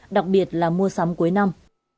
đặc biệt là mua sắm cuối năm